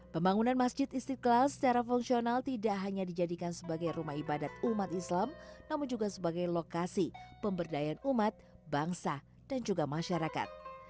pembangunan masjid istiqlal secara fungsional tidak hanya dijadikan sebagai rumah ibadat umat islam namun juga sebagai lokasi pemberdayaan umat bangsa dan juga masyarakat